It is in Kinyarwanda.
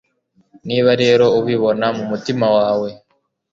niba rero ubibona mu mutima wawe